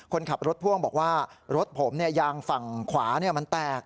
คนขับรถพ่วงบอกว่ารถผมยางฝั่งขวามันแตก